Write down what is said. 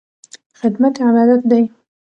خدمت عبادت دی